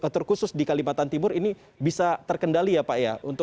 terkhusus di kalimantan timur ini bisa terkendali ya pak ya